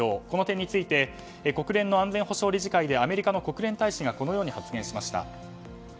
この点について国連の安全保障理事会でアメリカの国連大使がこのように発言しました。